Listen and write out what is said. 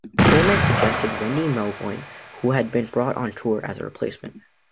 Coleman suggested Wendy Melvoin, who had been brought on tour, as a replacement.